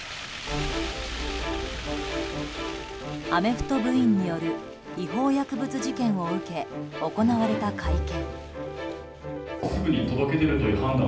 アメフト部員による違法薬物事件を受け行われた会見。